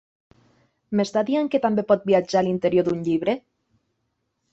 M'està dient que també pot viatjar a l'interior d'un llibre?